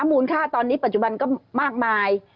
มูลค่าตอนนี้ปัจจุบันก็มากมาย